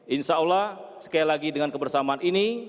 insya allah sekali lagi dengan kebersamaan ini